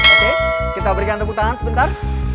oke kita berikan tepuk tangan sebentar